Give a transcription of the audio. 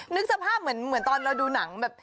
นึกสภาพเหมือนตอนเราดูหนังแบบ